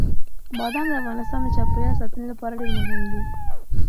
بادام د افغانستان د چاپیریال ساتنې لپاره ډېر مهم دي.